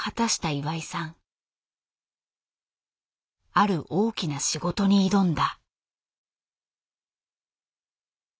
ある大きな仕事に挑んだ。